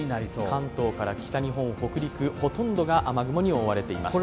関東から北日本、北陸、ほとんどが雲に覆われています。